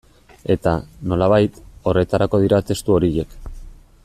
Eta, nolabait, horretarako dira testu horiek.